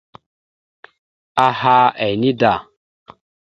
Aha ene da.